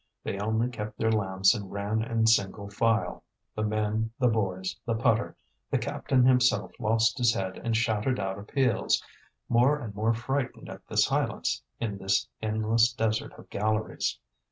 They only kept their lamps and ran in single file the men, the boys, the putter; the captain himself lost his head and shouted out appeals, more and more frightened at the silence in this endless desert of galleries.